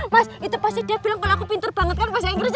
mas itu pasti dia bilang kalau aku pinter banget kan bahasa inggris